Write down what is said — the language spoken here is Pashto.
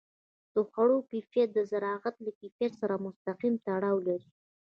د خوړو کیفیت د زراعت له کیفیت سره مستقیم تړاو لري.